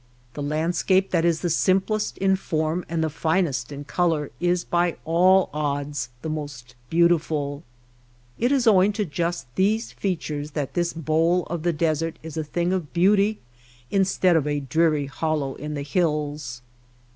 The landscape that is the simplest in form and the finest in color is by all odds the most beautiful. It is owing to just these feat ures that this Bowl of the desert is a thing of THE BOTTOM OF THE BOWL 57 beauty instead of a dreary hollow in the hills.